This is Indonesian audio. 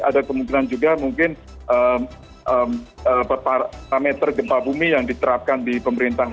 ada kemungkinan juga mungkin parameter gempa bumi yang diterapkan di pemerintah